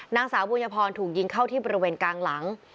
นางสาวบุญพรถูกยิงเข้าที่บริเวณกลางหลัง